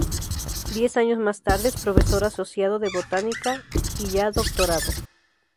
Diez años más tarde es Profesor Asociado de Botánica y ya Doctorado.